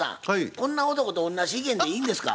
こんな男と同じ意見でいいんですか？